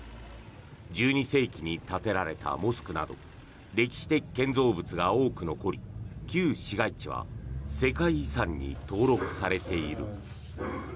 １２世紀に建てられたモスクなど歴史的建造物が多く残り旧市街地は世界遺産に登録されている。